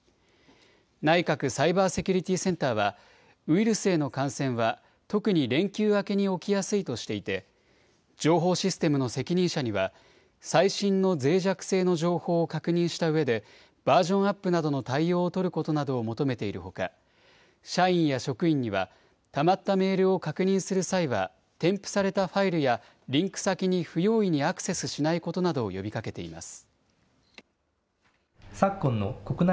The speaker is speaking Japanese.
内閣サイバーセキュリティセンターは、ウイルスへの感染は特に連休明けに起きやすいとしていて、情報システムの責任者には、最新のぜい弱性の情報を確認したうえで、バージョンアップなどの対応を取ることなどを求めているほか、社員や職員には、たまったメールを確認する際は、添付されたファイルや、リンク先に不用意にアクセスしないことなどを呼びかけています。